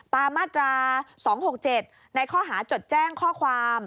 มาตรา๒๖๗ในข้อหาจดแจ้งข้อความ